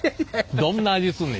どんな味すんねん。